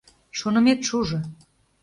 Шонымет шужо!